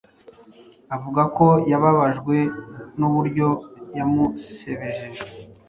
avuga ko yababajwe n’uburyo yamusebebeje